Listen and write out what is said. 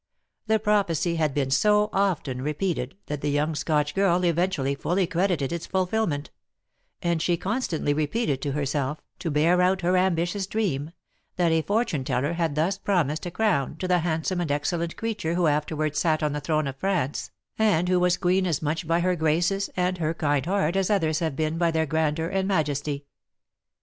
The prophecy had been so often repeated, that the young Scotch girl eventually fully credited its fulfilment; and she constantly repeated to herself, to bear out her ambitious dream, that a fortune teller had thus promised a crown to the handsome and excellent creature who afterwards sat on the throne of France, and who was queen as much by her graces and her kind heart as others have been by their grandeur and majesty.